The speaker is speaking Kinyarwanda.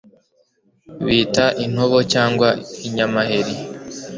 bita intobo cyangwa inyamaheri